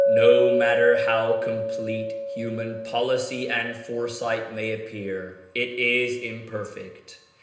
No matter how complete human policy and fore sight may appear, it is imperfect.